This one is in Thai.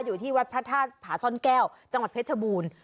อยู่ที่วัดพระธาตุผาซ่อนแก้วจังหวัดเพชรบูรณ์